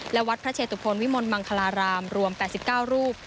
และวัดพระเชตุพลวิมลมังคลารามรวม๘๙รูป